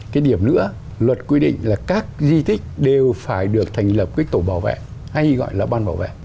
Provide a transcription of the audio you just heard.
cái điểm nữa luật quy định là các di tích đều phải được thành lập cái tổ bảo vệ hay gọi là ban bảo vệ